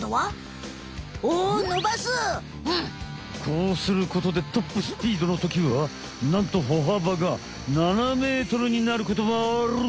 こうすることでトップスピードのときはなんとほはばが７ｍになることもある！